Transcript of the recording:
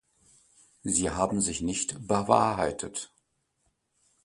Sie haben sich nicht bewahrheitet.